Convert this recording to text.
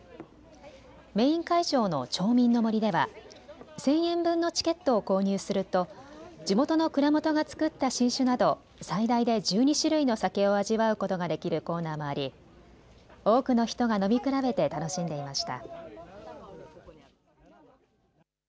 メイン会場の町民の森では１０００円分のチケットを購入すると地元の蔵元が造った新酒など最大で１２種類の酒を味わうことができるコーナーもあり多くの人が飲み比べて楽しんでいました。